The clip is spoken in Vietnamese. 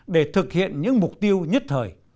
để thực hiện những mục tiêu nhất thời